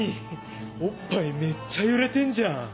おっぱいめっちゃ揺れてんじゃん。